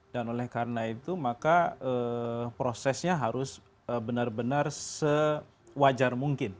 dan oleh karena itu maka prosesnya harus benar benar sewajar mungkin